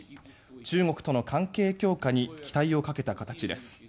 中国との関係強化に期待をかけた形です。